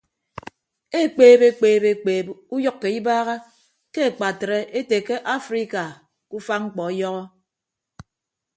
Ekpeeb ekpeeb ekpeeb uyʌkkọ ibaaha ke akpatre ete ke afrika ke ufa mkpọ ọyọhọ.